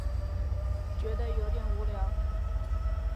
觉得有点无聊